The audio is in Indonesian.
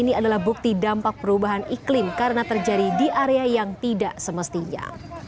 ini adalah bukti dampak perubahan iklim karena terjadi di area yang tidak semestinya